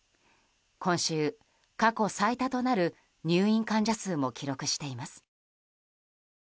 今週、過去最多となる入院患者数も記録しています。